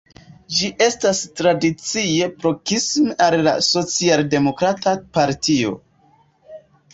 Ĝi estas tradicie proksime al la socialdemokrata partio.